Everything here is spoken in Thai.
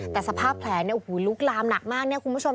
แต่สภาพแผลเนี่ยโอ้โหลุกลามหนักมากเนี่ยคุณผู้ชม